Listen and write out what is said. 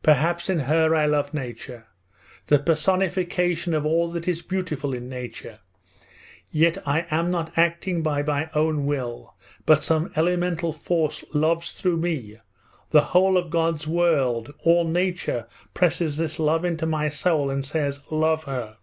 Perhaps in her I love nature: the personification of all that is beautiful in nature; but yet I am not acting by my own will, but some elemental force loves through me; the whole of God's world, all nature, presses this love into my soul and says, "Love her."